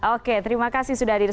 oke terima kasih sudah hadir